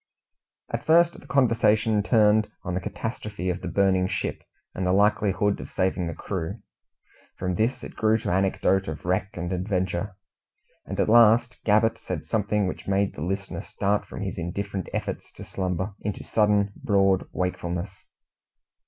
At first the conversation turned on the catastrophe of the burning ship and the likelihood of saving the crew. From this it grew to anecdote of wreck and adventure, and at last Gabbett said something which made the listener start from his indifferent efforts to slumber, into sudden broad wakefulness.